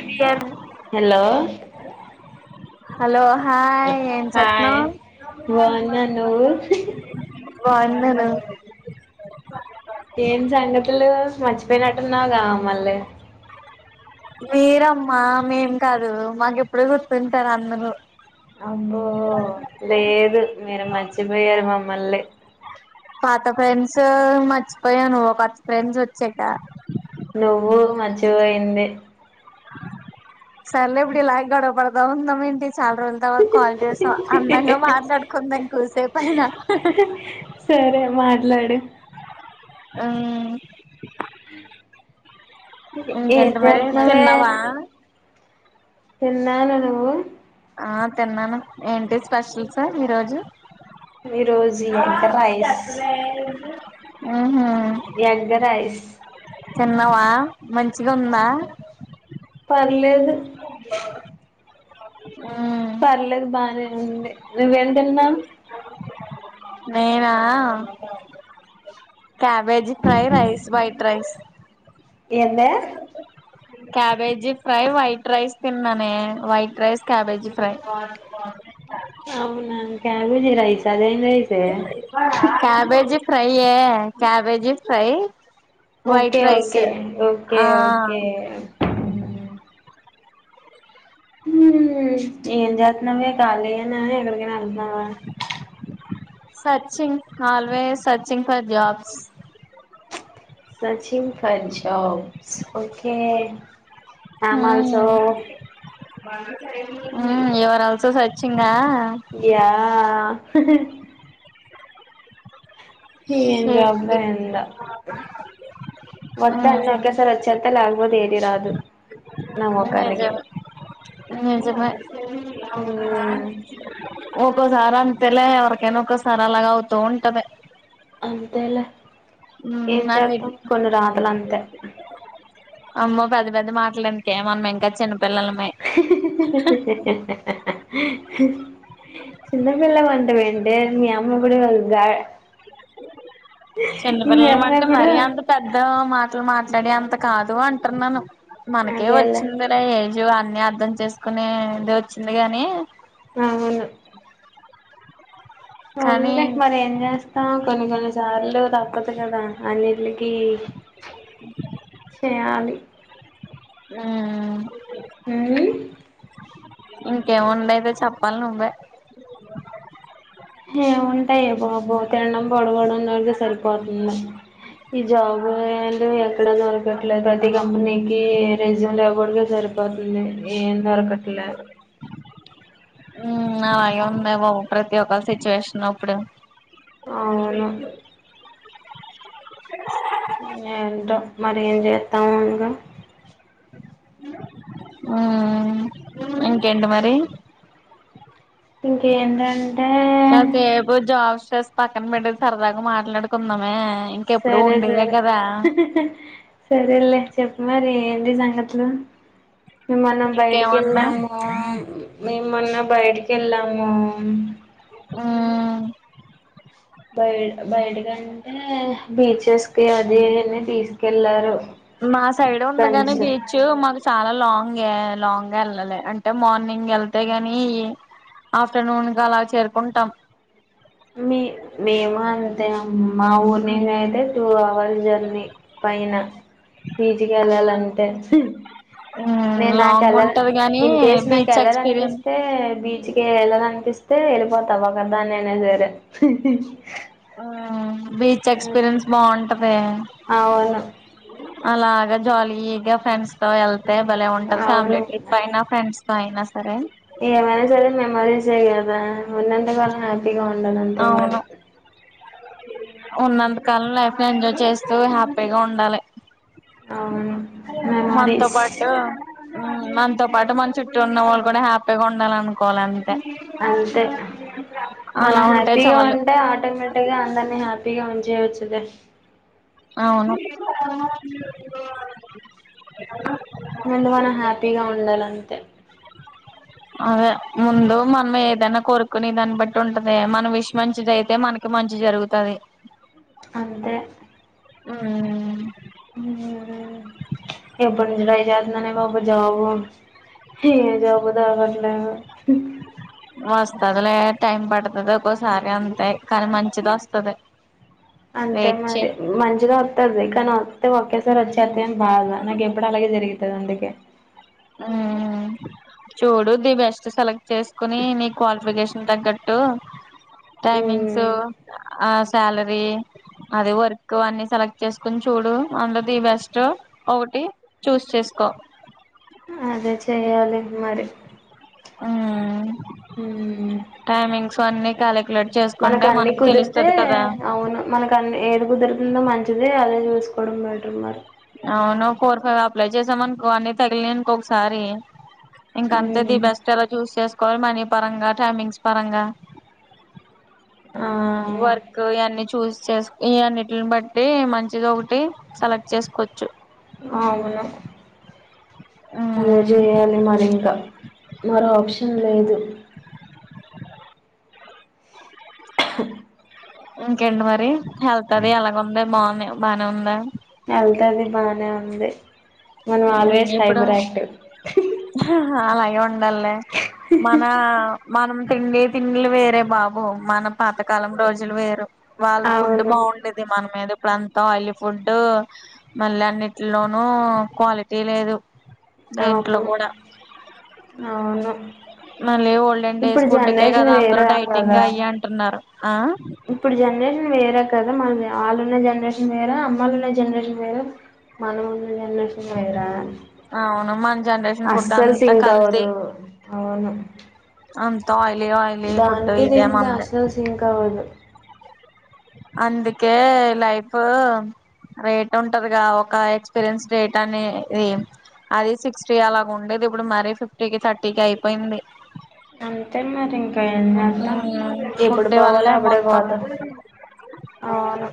ఇద్దరు hello hello hi ఏం hi చేత్తున్నావ్ బాగున్నా నువ్వు మా అన్నను. మర్చిపోయినట్టున్నావ్ గా మళ్ళీ. మీరమ్మా మేం కాదు, మాకెప్పుడ గుర్తుంటారు అందరూ. అబ్బో లేదు మీరు మార్. చ్చిపోయారు మామ్మల్ని. పాత ఫ్రెండ్స్ మర్చిపోయావ్ నువ్, కొత్త ఫ్రెండ్స్ ఓచ్చాక. నువ్వు మర్చిపోయింది. సర్లే ఇప్పుడ్ ఇలాగే గొడవపడ్త్. ద ఉందా మెంటి చాల రోజుల తర్వాత. క్వాలిటీస్, అందంగా మాట్లాడుకుందాం. కొద్ది సేపైనా. సరే మాట్లాడు. ఆ ఉమ్. క్ ఏం ఇంకేంటి మరి చేస్తున్నావే. తిన్నావా తిన్నాను నువు. ఆ తిన్నాను ఏంటి స్పెషల్స్ ఈరోజు. ఈరోజు ఎగ్ రైస్. ఉహుమ్. Egg rice. తిన్నావా, మంచిగా ఉందా. పర్లేదు. ఉమ్. పర్లేదు బానే ఉంది, నువ్వేం తిన్నావ్. నేనా cabbage fry, rice, white rice. ఏందే. క్యాబేజీ ఫ్రై, వైట్ రైస్ తిన్నానే, వైట్ రైస్, క్యాబేజీ ఫ్రై. అవునా, క్యాబేజ్ రైస్ అదే. క్యాబేజ్. ఫ్రై యే, cabbage fry. Okay white rice okay okay ఆ ఓకే. హుమ్మ్ ఎంజెత్తన్నవే కాలీయేనా, ఎక్కడికైనా. అవునా. Searching, always searching for jobs. Searching for job. స్ okay. I'm also. Ah యువరాల్సో searching ah yeah హి హ్ ఏం షిట్ జాబో ఎందో వత్తే హ్మ్ అన్ని ఒకేసారి వచ్చేతాయ్ లేకపోతే ఏది రాదు నాకు ఒకదానికే ఉమ్ నిజమే అవును ఒక్కోసారి అంతెలే ఎవరికైనా ఒక్కోసార అలాగ అవుతు ఉంటది అంతేలే ఏం అన్ని చేద్దాం కొన్ని రాతల అంతే అమ్మో పెద్ది పెద్ది మాట్లలెందుకే మనం ఇంకా చిన్న హి హి హి హి హి హి హి హి హ్ హి హి హ్ చిన్నపిల్ల వంటఏంటె మీ అమ్మ ఇప్పుడు కగా చిన్నపిల్లలమంటే మరీ అంత పెద్ద మాటలు మాట్లాడి అంత కాదు అంటున్నాను మనకే అదేలే వచ్చిందిలే ఏం నీవు అన్ని అర్ధం చేసుకునేది వచ్చింది గాని అవును కానీ ఉన్లే మరి ఏం చేస్తాం కొన్ని కొన్ని సార్లు తప్పదు కదా అన్నిట్లీకి ఈ చేయాలి ఉమ్ ఉమ్మ్ ఇంకేం ఉండేదో చెప్పాలి నువ్వే హే ఉన్ యే బాబు తిండం పడుకోవడం [inaudible] సరిపోతుంది ఈ జాబ్ లు ఏందో ఎక్కడ దొరకట్లేదు ప్రతి కంపెనీకి రెజ్యూమ్ లు ఇవ్వడమె సరిపోతుంది ఏం దొరకట్లే ఉమ్ అలాగే ఉంది బాబు ప్రతి ఒక్క సిచ్యువేషన్ అప్పుడు అవును ఏంటో మరి ఏం చేత్తము ఇంకా ఉమ్ ఇంకేంటి మరి ఇంకేంటంటే స్ పక్కన పెట్టేది సరదాగా మాట్లాడుకుందామే ఇంకెప్పుడు సరే ఉండేదే సరే కదా హి హ్ సరేలే చెప్పు మరి ఏంటి సంగతులు మనం బయటికి ఇంకేమన్నా వెళ్దాము మేం మొన్న బయటికి వెళ్ళము మ్ బయ బయట కంటే బీచెస్ కి అది తీసుకెళ్ళారు మా సైడ్ ఉంది గాని ఫ్రెండ్స్ బీచ్ మాకు చాలా లాంగ్ లాంగ్ గా వెళ్ళాలి అంటే మార్నింగ్ వెళ్తే ని ఆఫ్టర్నూన్గా అలా చేరుకుంటాం మీ మేము అంతా అమ్మ మా ఊర్ నుంచి అయితే టూ అవర్స్ జర్నీ పైన బీచ్కి వెళ్ళాలని మ్మ్ నేను లాంగ్ నాకుెళ్ళ ఉంటది గాని ఇన్ కేస్ నాకు బీచ్ ఎక్స్పీరియన్స్ వెళ్ళాలనిపిస్తే బీచ్ కే వెళ్ళాలనిపిస్తే అయితే వెళ్ళిపోతా ఒకదానయినా సరే హి హీ ఆ బీచ్ ఎక్స్పీరియన్స్ బాగుంటది అవును అలాగా జాలిగా ఫ్రెండ్స్ త వెల్ అంతే భలే ఉంటది అవును ఫ్యామిలీ ట్రిప్ అయినా ఫ్రెండ్స్ ఇకా అయినా సరే ఏమైనా సరే మేమ్మరి చే కదా న్నంటే వాళ్ళ హ్యాపీగా ఉండాల అంతే మరి అవును ఉన్నంతకాలం లైఫ్ లో ఎంజాయ్ చేస్తూ హ్యాపీగా ఉండాలి అవును మనతో మెమరీస్ పాటూ మనతో పాటు మన చుట్టూ ఉన్న వాళ్ళు కూడా హ్యాపీగా ఉండాలి అనుకోవాలంని అంతే అలా మనం ఉంటే హ్యాపీగా చాలు ఉంటే ఆటోమేటిక్ అట్గా అందరినీ హ్యాపీగా ఉంచేయొచ్చులే అవును ముందు మనం హ్యాపీగా ఉండాలంతే అదె ముందు మనం ఏదైనా కోరుకునె దాన్ని బట్టి ఉంటదె మన విష్ మంచిది అయితే మనకి మంచి జరుగుతాది అంతే ఉ ప చడయి జతున్ననే పాబ జబ ఏ జబధా ఫట్లా వస్తది లే టైం పడుతుంది ఒక్కోసారి అంతే కానీ మంచిది వస్తుంది అంతే మరి మంచిగా వతది తను వస్త ఓకే సారి వచ్చే అని బాద నాకు ఎప్పుడు అలాగ జరిగింది అందుకే మ్ చూడుది బెస్ట్ సెలెక్ట్ చేసుకుని నీ క్వాలిఫికేషన్ తగ్గట్టు టైమింగ్సు ఆ సాలరీ అదే వర్క్ అన్ని సెలెక్ట్ చేసుకొని చూడూ అందులో ది బెస్ట్ ఒకటి చూస్ చేసుకో అదే చెయాలి మరి హ్మ్ టైమింగ్ సో అన్ని కాల మనక అన్ని కుదిరితే అవును మనక అన్ని ఏది కుదురుతుందో మం ఇదే అలా చూసుకోవడం బెటర్ మరి అవును ఫోర్ ఫైవ్ అప్లై చేసామనుకో అన్ని తగిలినియ్ అనుకొ ఒకసారి ఇంక అంతేది బెస్ట్ ఎలా చూస్ కల్ మనీ పరంగా టైమింగ్స్ పరంగా ఆ వర్క్ ఇవన్నీ చూస్ చేసు ఈ అన్నిటిలిని బట్టి మంచిది ఒకటి సెలెక్ట్ చేసుకోవచ్చు అ మన అదే మ్మ్ చెయాలి మరి ఇంకా మరో ఆప్షన్ లేదు ఇంకేంటి మరి హెల్త్ అది ఎలాగుంది బానే బానే ఉందా హెల్త్ అది బానే ఉంది మనం ఆల్వేస్ హైపర్ ఆక్టివ్ అలాగేయ్ ఉండలే మన మనం తిండి తిండులు వేరే బాబు మన పాతకాలం రోజులు వేరు వాళ్ళ ఫుడ్ అవును బాగుండేది మన మీద అప్పుడ అంతా ఆయిలీ ఫుడ్ మళ్ళీ అన్నిటిలోనూ క్వాలిటీ లేదు దేంట్లో అవును కూడా అవును మళ్ళీ ఓల్డ్ డేస్ ఇప్పుడు ఫుడ్కే జనరేషన్ కదా అందరుూ వేరే డైటింగ్ కదా అయ్య అంటున్నారు ఇప్పుడు జనరేషన్ వేరే కదా మన వాళ్ళున్న జనరేషన్ వేర అమ్మలు ఉన్న జనరేషన్ వేర మనం ఉన్న జనరేషన్ వేరు అవును మన జనరేషన్ ఫుడ్ అస్సల్ అంతా సింక్ కల్తీ అవుదు అవును అంత ఆయిలీ ఆయిలీ ఫుడ్ ఇదే మంది వదు అందుకే లైఫ్ రేట్ ఉంటదిగా ఒక ఎక్స్పీరియన్స్ రేట్ అనేది అది సిక్స్టీ అలాగ ఉండేది ఇప్పుడు మరీ ఫిఫ్టీకి థర్టీకి అయిపోయింది అంతే మరి ఇన్ ఏం జేత్తం ఎప్పుడు ఫుడ్ పోవాలో వల్లే అప్పుడే మొత్తం పోతాం. అవును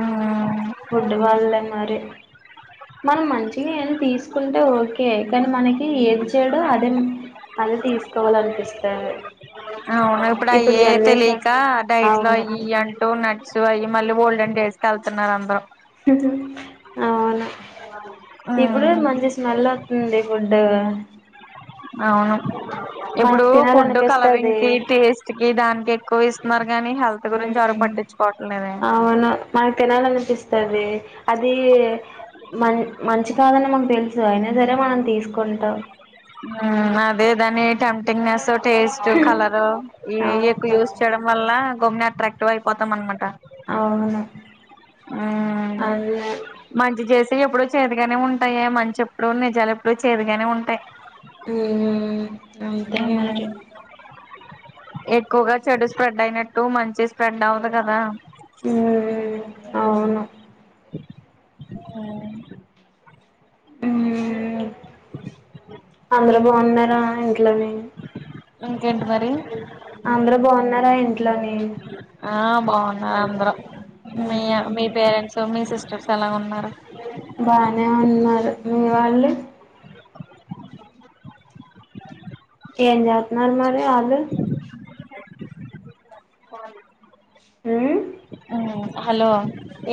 ఆ ఫుడ్ వల్లే మరి మనం మంచిగా ఏదైన తీసుకుంటే ఓకే, కానీ మనకి ఏజ్ చెడు అదేమ్ పాల్ టిస్ అవును ఇప్పుడు అయే తెలియక డైట్ లో అవును అయి ఇయ్యి అంటూ నట్స్ ఐ మళ్ళీ ఓల్డెన్ డేస్కి కెళ్తున్నారు అందరూ అవును ఇప్పుడు మంచి స్మెల్ వస్తుంది ఫుడ్, అవును ఇప్పుడు మనకు తినాలనిపిస్తుంది. ఈ దాన్కే కు ఇస్మార్ అవును మాకు తినాలనిపిస్ తడి అది మన్ మంచి కాదని మాకు తెలుసు అయినా సరే మనం తీసుకుంటాం. ఆ అదే దాని టెంటింగ్ నెస్ టేస్ట్ కలరు ఏవి ఎక్కువ అవును యూజ్ చేయడం వల్ల గమ్మ అట్రాక్టివ్ అయిపోతం అనమాట. అవును ఆ అదే మంచి చేస్ తీ ఎప్పుడు చేదుగానే ఉంటాయి. మంచి ఎప్పుడుూ నిజాలు ఎప్పుడూ చేదుగానే ఉంటాయి. ఉమ్ అంతే మరి మ్మ్ ఎక్కువగా చెడు స్ప్రెడ్ అయినట్టు, మంచి స్ప్రెడ్ అవదు కదా. హమ్ అవును హమ్ ఉమ్ వ అందరు బాగున్నారా ఇంట్లోనే? అ అందరూ బాగున్నారా ఏంటి ఇట్లనే ఆ బావున్ ఆంధ్ర మీ ఉహు మీ పేరెంట్స్ మీ సిస్ ఎలా ఉన్నారు బానే ఉన్నారు మీ వాళ్ళు, ఏం జెతున్నారు మరి వాళ్ళు ఊ హలో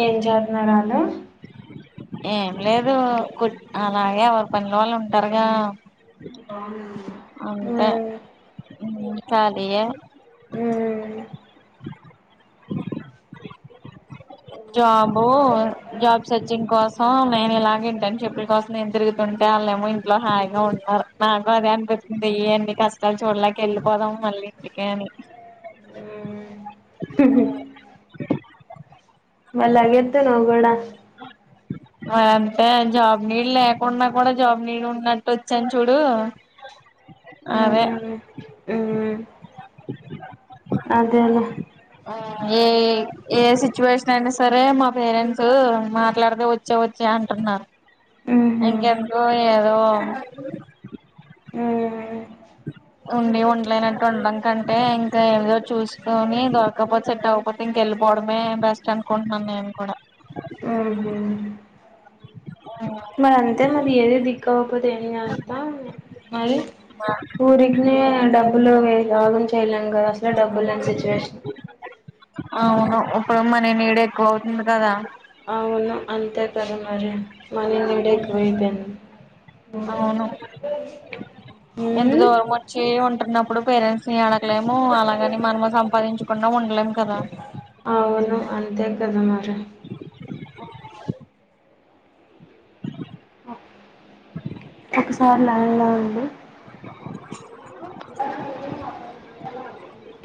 ఏం చేతున్నారు వాళ్ళు, ఏం లేదు కు అలాగే ఎవరు పని వాళ్ళు ఉంటారుగా, [unintelligible] అంతే ఉమ్ హు ఖాళీయే ఉమ్ జాబు జాబ్ సెర్చింగ్ కోసం నేను ఇలాగే ఫ్రెండ్షిప్ కోసం ఏం తిరుగుతుంటే వాళ్ళ ఏమో ఇంట్లో హాయిగా ఉంటన్నారు. నాకు అదే అనిపిసుతుంది అన్ని కష్టాలు చూడలేక వెళ్ళిపోదాం మళ్ళీ ఇంటికే అని, హు మరి లగేత్తు నువ్వు కూడా అంతే జాబ్ నీడ్ లేకుండా కూడా జాబ్ నీడ్ ఉన్నట్టు వచ్చాను చూడు, అదె ఉమ్ ఉమ్ అదేలే ఏ ఏ సిచ్యువేషన్ అయినా సరే మా పేరెంట్స్ మాట్లాడితే వచ్చే వచ్చే అంటున్నారు ఉహు ఇంక ఎందుకు ఏదో - - ఉమ్ ఉండి ఉండలేనట్టు ఉండడం. కంటే ఇంకా ఏదో చూసుకొని దొరక్కపోతే సెట్ అవ్వకపోతే ఇంకెళ్ళిపోవడమే బెస్ట్ అనుకుంటున్నాను నేను కూడా, ఉహు మరి అంతే మరి ఏది దిక్కవకపోతే ఏం చేస్తా మరి ఊరికిననే డబ్బులో ఆగం చేయలేము ఇగ అసలే డబ్బులు లేని సిచ్యువేషన్, అవును ఇప్పుడు మన నీడ ఎక్కువ అవుతుంది కదా, అవును అంతే కదా మరి మనీ నిడ్ ఎక్కువైపోయింది, అవును ఇప్పుడు ప్రేన్స్ అడగలేము అలాగని మనము సంపాదించకుండా ఉండలేము కదా అవును అంతే కదా మరి ఒకసారి లైన్లో ఉండు [unintelligible]